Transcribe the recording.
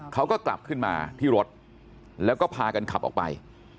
เขาก็กลับขึ้นมาที่รถแล้วก็พากันขับออกไป